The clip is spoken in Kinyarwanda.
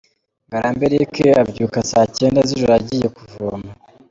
Ngarambe Eric, abyuka saa cyenda z’ijoro agiye kuvoma.